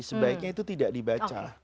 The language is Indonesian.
sebaiknya itu tidak dibaca